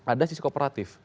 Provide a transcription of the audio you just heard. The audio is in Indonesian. ada sisi kooperatif